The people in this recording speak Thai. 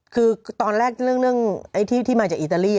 คือตอนแรกเรื่องที่มาจากอิตาลี